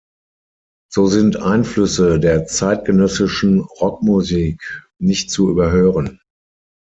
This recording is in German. So sind Einflüsse der zeitgenössischen Rock-Musik nicht zu überhören.